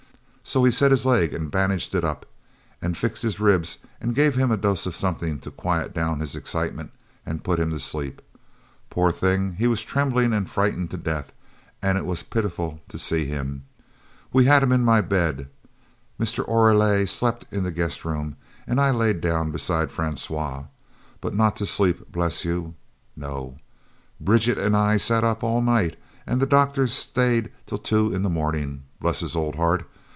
So he set his leg and bandaged it up, and fixed his ribs and gave him a dose of something to quiet down his excitement and put him to sleep poor thing he was trembling and frightened to death and it was pitiful to see him. We had him in my bed Mr. Oreille slept in the guest room and I laid down beside Francois but not to sleep bless you no. Bridget and I set up all night, and the doctor staid till two in the morning, bless his old heart.